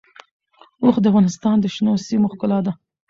اوښ د افغانستان د شنو سیمو ښکلا ده.